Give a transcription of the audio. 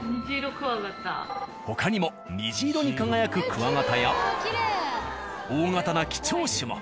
他にも虹色に輝くクワガタや大型な貴重種も。